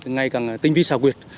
ngay càng tinh vi xa quyệt